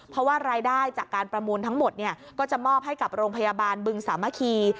เพราะว่ารายได้จากการประมูลทั้งหมดก็จะมอบให้กับโรงพยาบาลบึงสามัคคี